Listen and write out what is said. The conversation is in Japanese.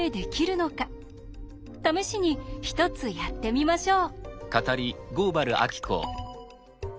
試しに１つやってみましょう。